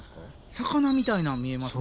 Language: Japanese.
魚みたいなん見えますね。